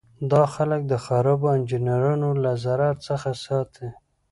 دا خلک د خرابو انجینرانو له ضرر څخه ساتي.